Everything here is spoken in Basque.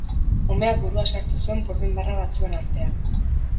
Umeak burua sartu zuen burdin barra batzuen artean.